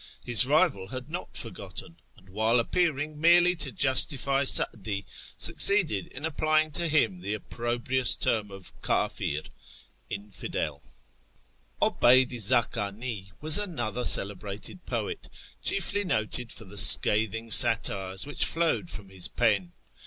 His rival had not forgotten, and, while appearing merely to justify Sa'di, succeeded in applying to him tlie opprobrious term of Icdfir (infidel). 'Obeyd i Zakani was another celebrated poet, chiefly noted for the scathing satires which flowed from his pen.